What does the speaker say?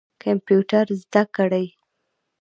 کمپیوټر زده کړئ